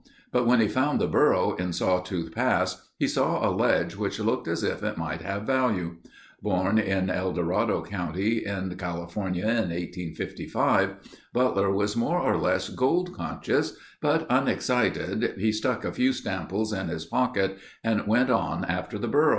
But when he found the burro in Sawtooth Pass he saw a ledge which looked as if it might have values. Born in El Dorado county in California in 1855, Butler was more or less gold conscious, but unexcited he stuck a few samples in his pocket and went on after the burro.